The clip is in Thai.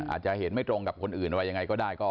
อาจจะเห็นไม่ตรงกับคนอื่นอะไรยังไงก็ได้